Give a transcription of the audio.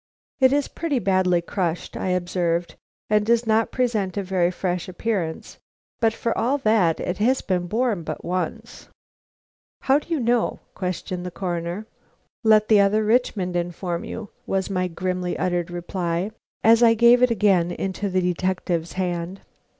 "It is pretty badly crushed," I observed, "and does not present a very fresh appearance, but for all that it has been worn but once." "How do you know?" questioned the Coroner. "Let the other Richmond inform you," was my grimly uttered reply, as I gave it again into the detective's hand.